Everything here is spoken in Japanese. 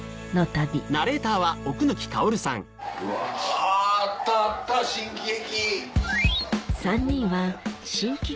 あぁあったあった新喜劇。